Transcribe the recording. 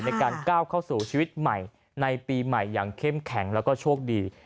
ในการก้าวเข้าสู่ชีวิตใหม่ในปีใหม่อย่างเข้มแข็งแล้วก็โชคดี